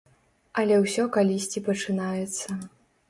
Але ўсё калісьці пачынаецца.